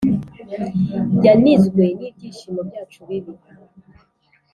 yanizwe n'ibyishimo byacu bibi.